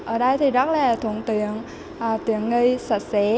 ở đây thì rất là trung tuyển tuyển nghi sạch sẽ